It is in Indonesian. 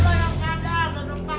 lo yang sadar